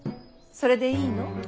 それでいいの？